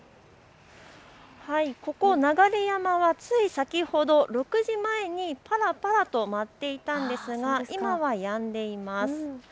ここ流山はつい先ほど６時前にぱらぱらと舞っていたんですが今はやんでいます。